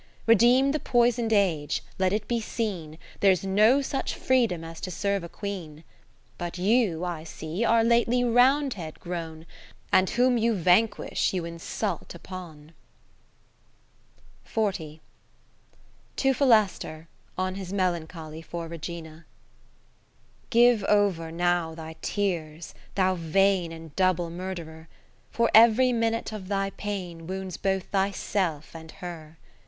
Redeem the poison'd Age, let it be seen There's no such freedom as to serve a Queen. But you I see are lately Round head grown, And whom you vanquish you insult upon. 20 To Philaster, on his Melan choly for Regina Give over now thy tears, thou vain And double Murtherer; For every minute of thy pain ^^'ounds both thyself and her.